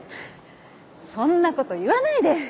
そんな事言わないで。